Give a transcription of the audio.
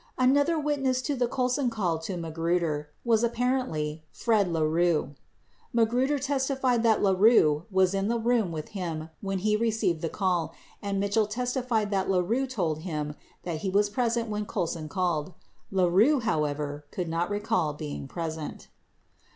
86 Another witness to the Colson call to Magruder apparently was Fred LaRue. Magruder testified that LaRue was in the room with him when he receiyed the call 87 and Mitchell testified that LaRue told him that he was present when Colson called. 88 LaRue, however, could not recall being present.